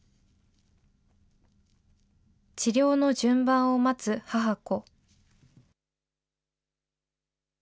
治療の順番を待つ母子。